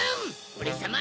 オレさま